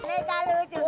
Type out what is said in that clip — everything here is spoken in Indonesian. ini kan lucu